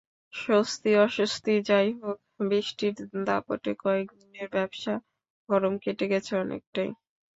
স্বস্তি-অস্বস্তি যাই হোক, বৃষ্টির দাপটে কয়েক দিনের ভ্যাপসা গরম কেটে গেছে অনেকটাই।